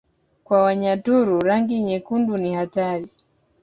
Kwa Wanyaturu rangi nyekundu ni hatari